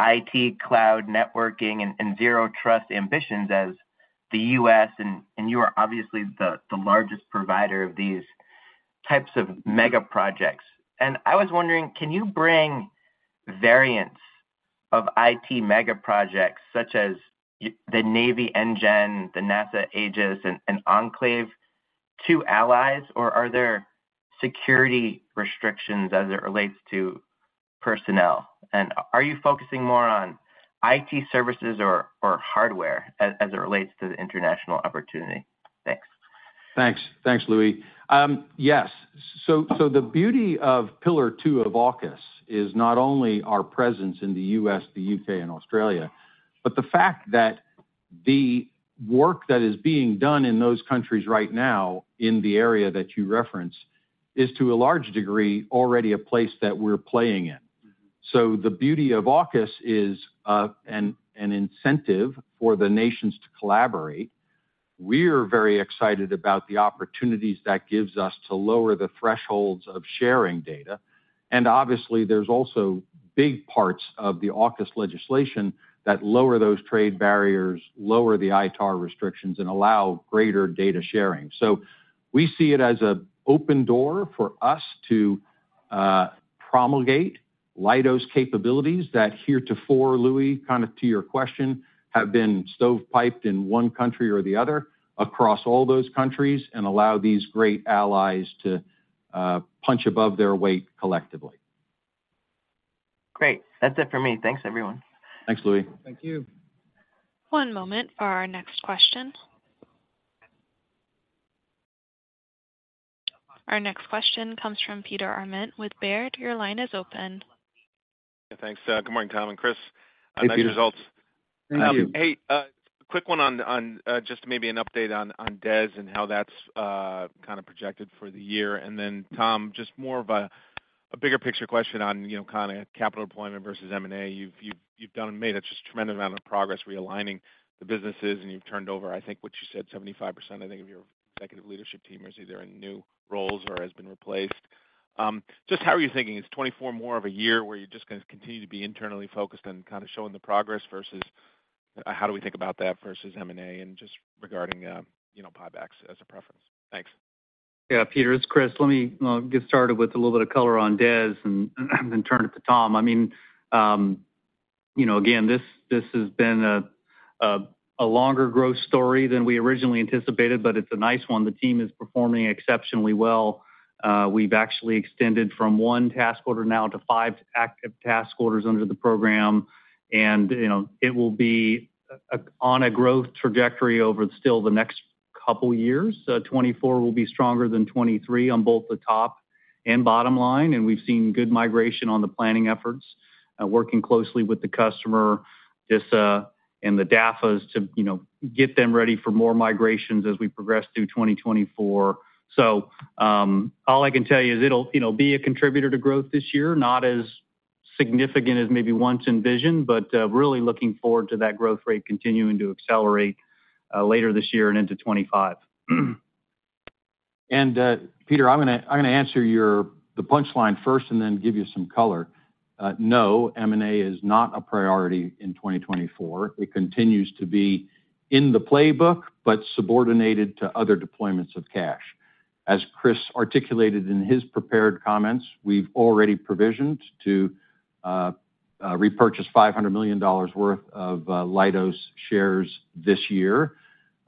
IT, cloud, networking, and zero-trust ambitions as the U.S., and you are obviously the largest provider of these types of mega projects. I was wondering, can you bring variants of IT mega projects such as the Navy NGEN, the NASA AEGIS, and enclave to allies or are there security restrictions as it relates to personnel? Are you focusing more on IT services or hardware as it relates to the international opportunity? Thanks. Thanks, Louis. Yes. The beauty of pillar two of AUKUS is not only our presence in the U.S., the U.K., and Australia, but the fact that the work that is being done in those countries right now in the area that you referenced, is to a large degree already a place that we're playing in. The beauty of AUKUS is an incentive for the nations to collaborate. We're very excited about the opportunities that gives us to lower the thresholds of sharing data. Obviously, there's also big parts of the AUKUS legislation that lower those trade barriers, lower the ITAR restrictions, and allow greater data sharing. We see it as an open door for us to promulgate Leidos capabilities that heretofore, Louie, kind of to your question, have been stovepiped in one country, or the other across all those countries and allow these great allies to punch above their weight collectively. Great, that's it for me. Thanks, everyone. Thanks, Louis. Thank you. One moment for our next question. Our next question comes from Peter Arment with Baird. Your line is open. Yeah, thanks. Good morning, Tom and Chris.[Excellent] results. Thank you. Thank you. Hey, quick one, just maybe an update on DES and how that's kind of projected for the year. Then, Tom, just more of a bigger picture question on kind of capital deployment versus M&A. You've done and made a just tremendous amount of progress realigning the businesses, and you've turned over, I think what you said, 75%, I think of your executive leadership team is either in new roles or has been replaced. Just how are you thinking? Is 2024 more of a year where you're just going to continue to be internally focused on kind of showing the progress versus how do we think about that versus M&A, and just regarding buybacks as a preference? Thanks. Yeah, Peter, it's Chris. Let me get started with a little bit of color on DES and then turn it to Tom. I mean, again, this has been a longer growth story than we originally anticipated, but it's a nice one. The team is performing exceptionally well. We've actually extended from 1 task order now to 5 active task orders under the program, and it will be on a growth trajectory over still the next couple of years. 2024 will be stronger than 2023 on both the top and bottom line. We've seen good migration on the planning efforts, working closely with the customer and the DAFAs to get them ready for more migrations as we progress through 2024. All I can tell you is it'll be a contributor to growth this year, not as significant as maybe once envisioned, but really looking forward to that growth rate continuing to accelerate later this year and into 2025. Peter, I'm going to answer the punchline first and then give you some color. No, M&A is not a priority in 2024. It continues to be in the playbook, but subordinated to other deployments of cash. As Chris articulated in his prepared comments, we've already provisioned to repurchase $500 million worth of Leidos shares this year.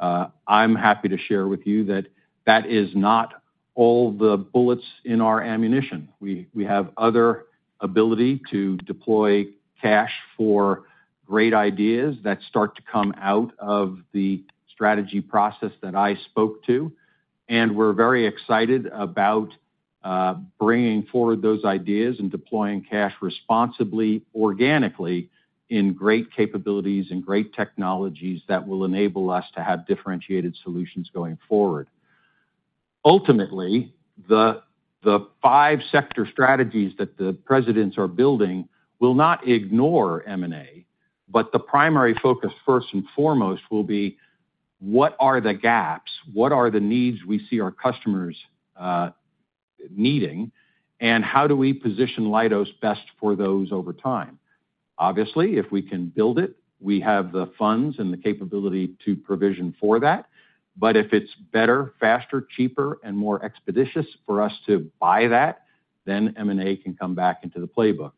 I'm happy to share with you that that is not all the bullets in our ammunition. We have other ability to deploy cash for great ideas that start to come out of the strategy process that I spoke to. We're very excited about bringing forward those ideas and deploying cash responsibly, organically in great capabilities and great technologies that will enable us to have differentiated solutions going forward. Ultimately, the five-sector strategies that the presidents are building will not ignore M&A, but the primary focus first and foremost will be, what are the gaps? What are the needs we see our customers needing? How do we position Leidos best for those over time? Obviously, if we can build it, we have the funds and the capability to provision for that. If it's better, faster, cheaper, and more expeditious for us to buy that, then M&A can come back into the playbook.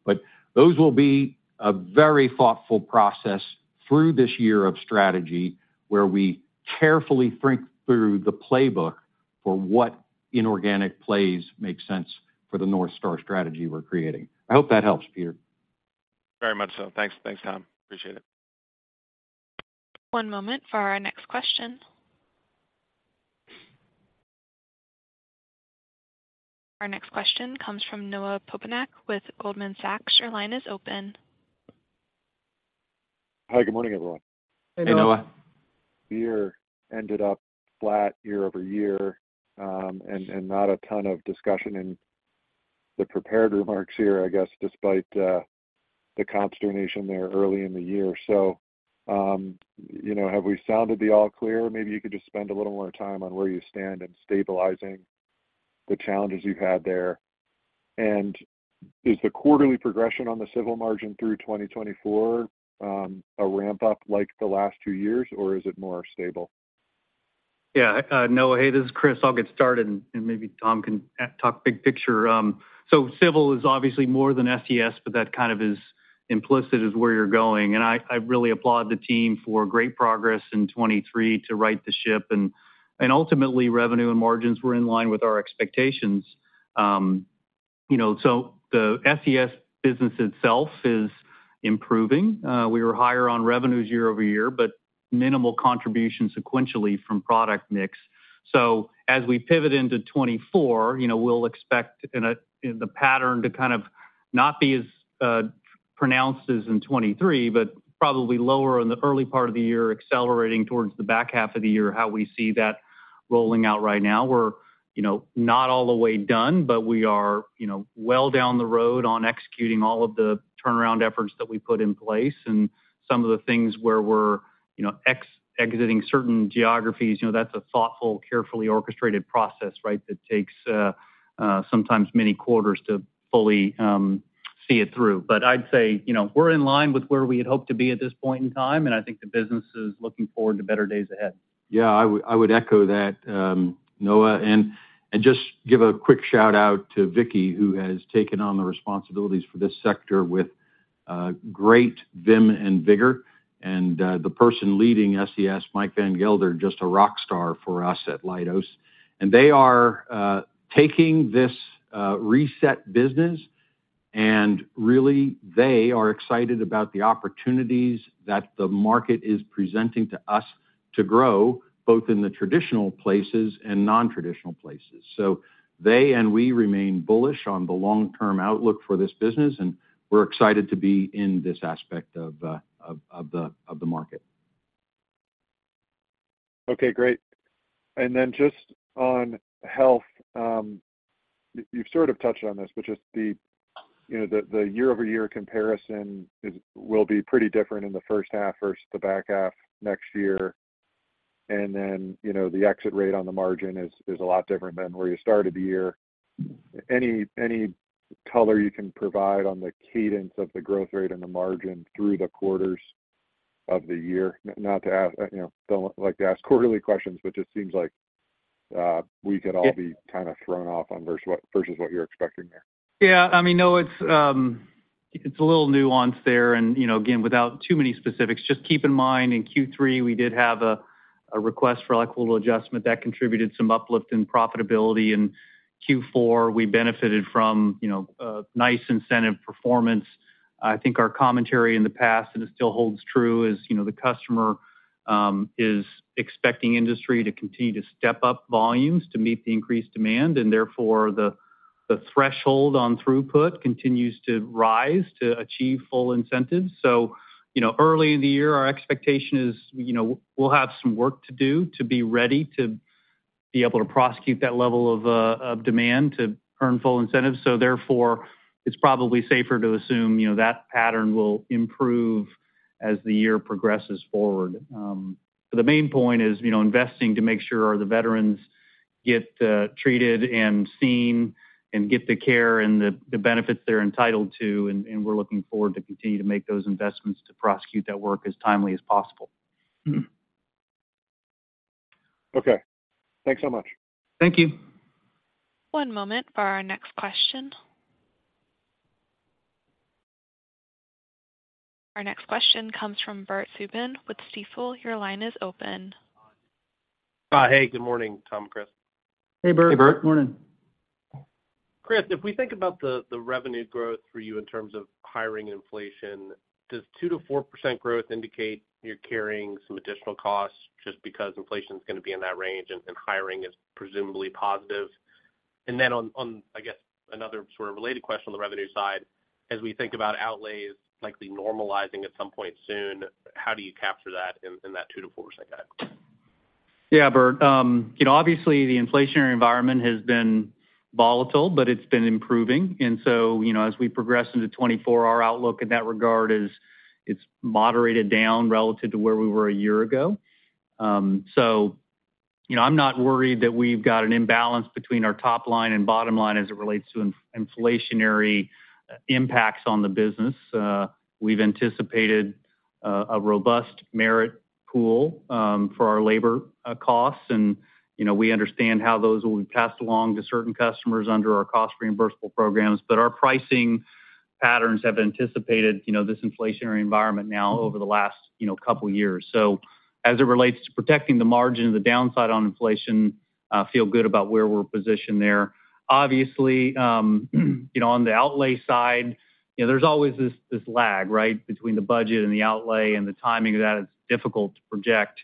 Those will be a very thoughtful process through this year of strategy, where we carefully think through the playbook for what inorganic plays make sense for the North Star strategy we're creating. I hope that helps, Peter. Very much so. Thanks, Tom. Appreciate it. One moment for our next question. Our next question comes from Noah Poponak with Goldman Sachs. Your line is open. Hi. Good morning, everyone. Hey, Noah. We ended up flat year-over-year and not a ton of discussion in the prepared remarks here, I guess, despite the consternation there early in the year. Have we sounded the all clear? Maybe you could just spend a little more time on where you stand in stabilizing the challenges you've had there. Is the quarterly progression on the civil margin through 2024 a ramp-up like the last two years, or is it more stable? Yeah. Noah, hey, this is Chris. I'll get started, and maybe Tom can talk big picture. Civil is obviously more than SES, but that kind of is implicit as where you're going. I really applaud the team for great progress in 2023 to right the ship. Ultimately, revenue and margins were in line with our expectations, so the SES business itself is improving. We were higher on revenues year-over-year, but minimal contribution sequentially from product mix. As we pivot into 2024, we'll expect the pattern to kind of not be as pronounced as in 2023, but probably lower in the early part of the year, accelerating towards the back half of the year, how we see that rolling out right now. We're not all the way done, but we are well down the road on executing all of the turnaround efforts that we put in place. Some of the things where we're exiting certain geographies, that's a thoughtful, carefully orchestrated process, right, that takes sometimes many quarters to fully see it through. I'd say we're in line with where we had hoped to be at this point in time, and I think the business is looking forward to better days ahead. Yeah, I would echo that, Noah. Just give a quick shout-out to Vicki, who has taken on the responsibilities for this sector with great vim and vigor. The person leading SES, Michael van Gelder, just a rockstar for us at Leidos. They are taking this reset business, and really, they are excited about the opportunities that the market is presenting to us to grow, both in the traditional places and non-traditional places. They and we remain bullish on the long-term outlook for this business, and we're excited to be in this aspect of the market. Okay, great. Then just on health, you've sort of touched on this, but just the year-over-year comparison will be pretty different in the first half versus the back half next year. Then the exit rate on the margin is a lot different than where you started the year. Any color you can provide on the cadence of the growth rate and the margin through the quarters of the year? I don't like to ask quarterly questions, but just seems like we could all be kind of thrown off versus what you're expecting there. Yeah. I mean, Noah, it's a little nuanced there. Again, without too many specifics, just keep in mind in Q3, we did have a request for equitable adjustment that contributed some uplift in profitability. Q4, we benefited from nice incentive performance. I think our commentary in the past, and it still holds true, is the customer is expecting industry to continue to step up volumes to meet the increased demand. Therefore, the threshold on throughput continues to rise to achieve full incentives. Early in the year, our expectation is we'll have some work to do, to be ready to be able to prosecute that level of demand to earn full incentives. Therefore, it's probably safer to assume that pattern will improve as the year progresses forward. The main point is investing to make sure the veterans get treated and seen and get the care, and the benefits they're entitled to. We're looking forward to continue to make those investments to prosecute that work as timely as possible. Okay. Thanks so much. Thank you. One moment for our next question. Our next question comes from Bert Subin with Stifel. Your line is open. Hi. Hey, good morning, Tom and Chris. Hey, Bert. Hey, Bert. Good morning. Chris, if we think about the revenue growth for you in terms of hiring and inflation, does 2%-4% growth indicate you're carrying some additional costs just because inflation is going to be in that range and hiring is presumably positive? I guess, another sort of related question on the revenue side, as we think about outlays likely normalizing at some point soon, how do you capture that in that 2%-4% guide? Yeah, Bert. Obviously, the inflationary environment has been volatile, but it's been improving. As we progress into 2024, our outlook in that regard is, it's moderated down relative to where we were a year ago. I'm not worried that we've got an imbalance between our top line and bottom line as it relates to inflationary impacts on the business. We've anticipated a robust merit pool for our labor costs. We understand how those will be passed along to certain customers under our cost-reimbursable programs, but our pricing patterns have anticipated this inflationary environment now over the last couple of years. As it relates to protecting the margin and the downside on inflation, I feel good about where we're positioned there. Obviously, on the outlay side, there's always this lag, right, between the budget and the outlay and the timing of that. It's difficult to project.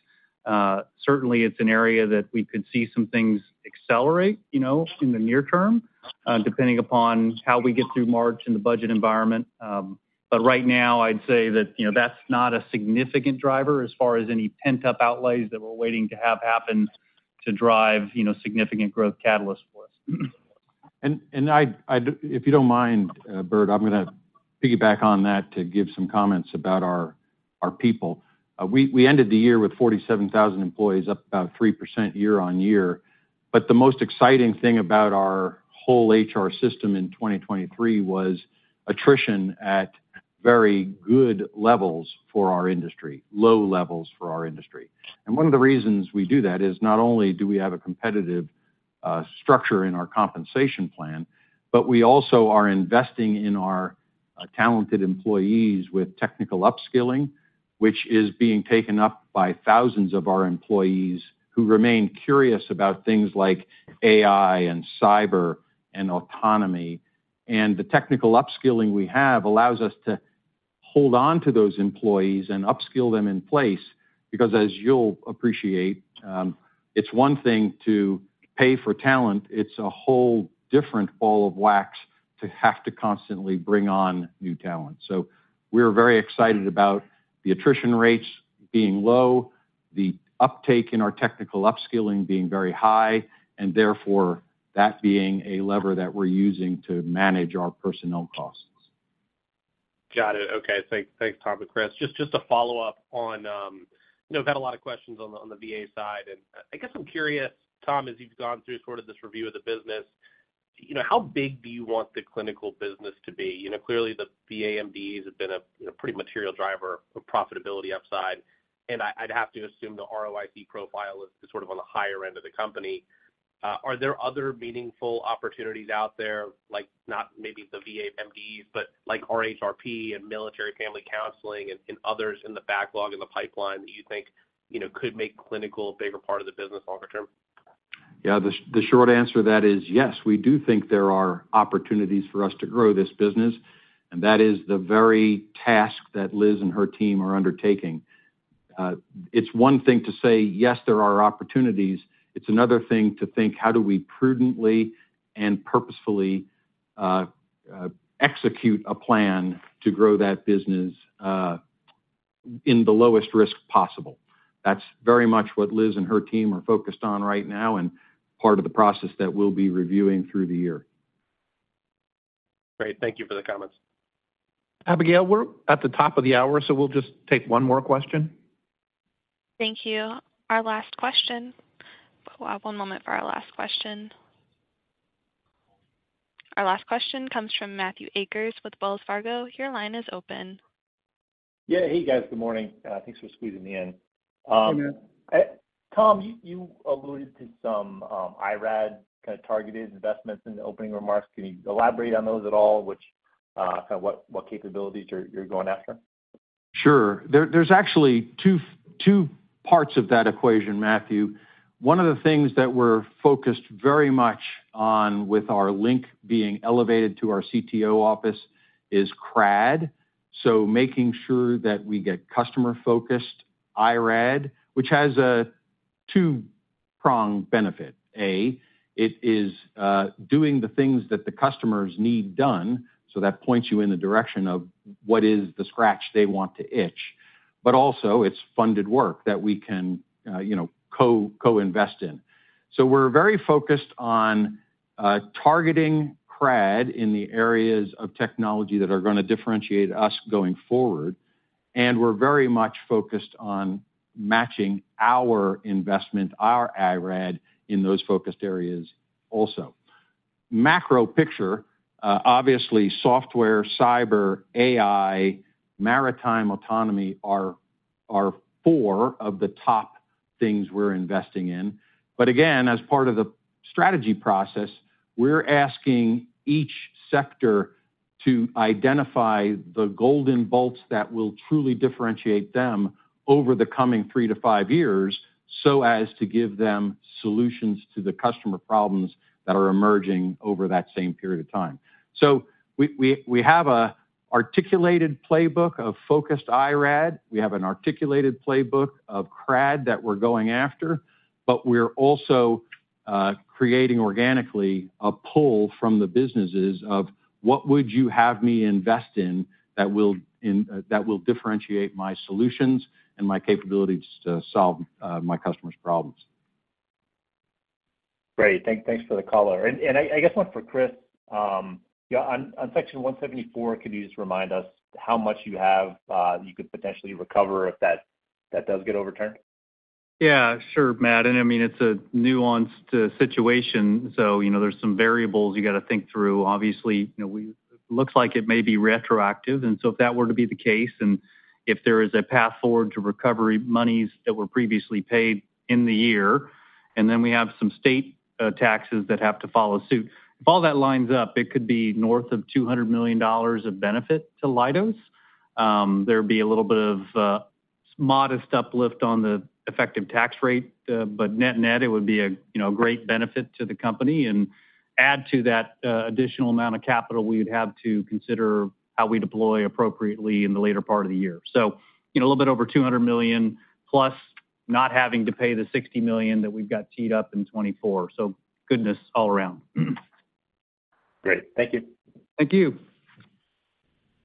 Certainly, it's an area that we could see some things accelerate in the near term, depending upon how we get through March in the budget environment. Right now, I'd say that that's not a significant driver as far as any pent-up outlays that we're waiting to have happen, to drive significant growth catalysts for us. If you don't mind, Bert, I'm going to piggyback on that to give some comments about our people. We ended the year with 47,000 employees, up about 3% year-over-year. The most exciting thing about our whole HR system in 2023 was attrition at very good levels for our industry, low levels for our industry. One of the reasons we do that is not only do we have a competitive structure in our compensation plan, but we also are investing in our talented employees with technical upskilling, which is being taken up by thousands of our employees who remain curious about things like AI and cyber and autonomy. The technical upskilling we have allows us to hold on to those employees and upskill them in place because, as you'll appreciate, it's one thing to pay for talent. It's a whole different ball of wax to have to constantly bring on new talent. We're very excited about the attrition rates being low, the uptake in our technical upskilling being very high and therefore that being a lever that we're using to manage our personnel costs. Got it, okay. Thanks, Tom and Chris. Just a follow-up on, we've had a lot of questions on the VA side. I guess I'm curious, Tom, as you've gone through sort of this review of the business, how big do you want the clinical business to be? Clearly, the VAMDs have been a pretty material driver of profitability upside. I'd have to assume the ROIC profile is sort of on the higher end of the company. Are there other meaningful opportunities out there, not maybe the VAMDs, but like RHRP and military family counseling and others in the backlog in the pipeline that you think could make clinical a bigger part of the business longer term? Yeah. The short answer to that is yes. We do think there are opportunities for us to grow this business. That is the very task that Liz and her team are undertaking. It's one thing to say, "Yes, there are opportunities." It's another thing to think, "How do we prudently and purposefully execute a plan to grow that business in the lowest risk possible?" That's very much what Liz and her team are focused on right now, and part of the process that we'll be reviewing through the year. Great. Thank you for the comments. Abigail, we're at the top of the hour, so we'll just take one more question. Thank you. Our last question. One moment for our last question. Our last question comes from Matthew Akers with Wells Fargo. Your line is open. Yeah. Hey, guys. Good morning. Thanks for squeezing me in. Tom, you alluded to some IRAD kind of targeted investments in the opening remarks. Can you elaborate on those at all, kind of what capabilities you're going after? Sure. There's actually two parts of that equation, Matthew. One of the things that we're focused very much on with our LInC being elevated to our CTO office is CRaD, so making sure that we get customer-focused IRAD, which has a two-pronged benefit. A, it is doing the things that the customers need done. That points you in the direction of, what is the scratch they want to itch? Also, it's funded work that we can co-invest in, so we're very focused on targeting CRaD in the areas of technology that are going to differentiate us going forward. We're very much focused on matching our investment, our IRAD, in those focused areas also. Macro picture, obviously software, cyber, AI, maritime autonomy are four of the top things we're investing in. Again, as part of the strategy process, we're asking each sector to identify the golden bolts that will truly differentiate them over the coming three to five years, so as to give them solutions to the customer problems that are emerging over that same period of time. We have an articulated playbook of focused IRAD. We have an articulated playbook of CRaD that we're going after. We're also creating organically a pull from the businesses of, "What would you have me invest in, that will differentiate my solutions and my capabilities to solve my customers' problems?" Great. Thanks for the caller. I guess one for Chris. On Section 174, could you just remind us how much you could potentially recover if that does get overturned? Yeah, sure, Matt. I mean, it's a nuanced situation, so there's some variables you got to think through. Obviously, it looks like it may be retroactive. If that were to be the case and if there is a path forward to recovery monies that were previously paid in the year, and then we have some state taxes that have to follow suit, if all that lines up, it could be north of $200 million of benefit to Leidos. There'd be a little bit of modest uplift on the effective tax rate. Net-net, it would be a great benefit to the company. Add to that additional amount of capital, we would have to consider how we deploy appropriately in the later part of the year. A little bit over $200 million, plus not having to pay the $60 million that we've got teed up in 2024, so godness all around. Great. Thank you. Thank you.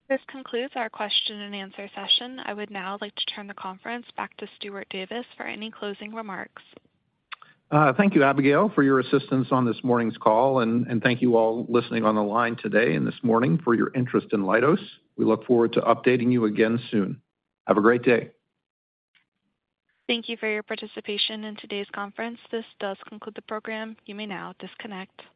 This concludes our question-and-answer session. I would now like to turn the conference back to Stuart Davis for any closing remarks. Thank you, Abigail for your assistance on this morning's call. Thank you all listening on the line today, and this morning for your interest in Leidos. We look forward to updating you again soon. Have a great day. Thank you for your participation in today's conference. This does conclude the program. You may now disconnect.